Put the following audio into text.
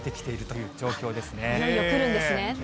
いよいよ来るんですね。